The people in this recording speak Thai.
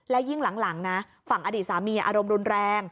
และยิ่งหลังนะฝั่งอดีตสามีอารมณ์รุนแรง